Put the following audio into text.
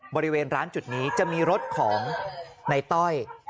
บริเวณร้านจุดนี้จะมีรถของในต้อย